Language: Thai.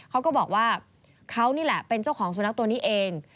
เขาก็บอกว่าเขานี่แหละเป็นเจ้าของสุนัขตัวนี้เอง